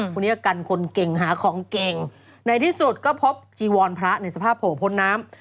คนนี้ก็กันคนเก่งหาของเก่งในที่สุดก็พบจีวรพระในสภาพโผล่พ้นน้ำ